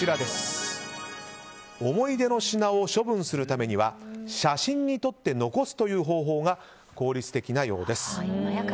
思い出の品を処分するためには写真に撮って残すという方法が効率的なようです。